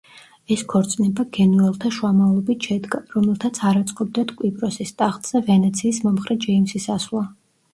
ეს ქორწინება გენუელთა შუამავლობით შედგა, რომელთაც არ აწყობდათ კვიპროსის ტახტზე ვენეციის მომხრე ჯეიმსის ასვლა.